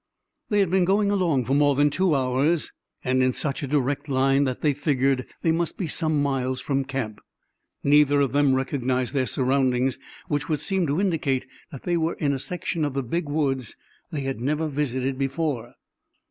They had been going along for more than two hours, and in such a direct line that they figured they must be some miles from camp. Neither of them recognized their surroundings, which would seem to indicate that they were in a section of the Big Woods they had never visited before.